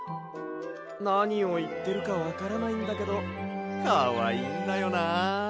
なにをいってるかわからないんだけどかわいいんだよな。